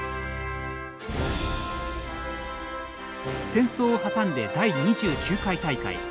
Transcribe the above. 戦争を挟んで第２９回大会。